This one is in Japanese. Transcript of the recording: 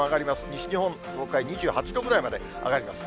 西日本、東海２８度ぐらいまで上がります。